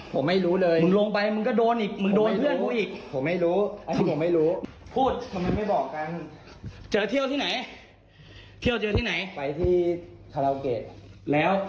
คุยกันกี่วันคุยกันกี่วันวันเดียววันเดียวคุยกันวันเดียว